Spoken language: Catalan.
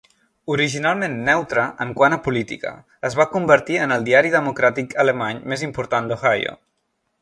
Originalment neutre en quant a política, es va convertir en el diari democràtic alemany més important d'Ohio.